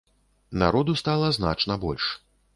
Народу стала значна больш.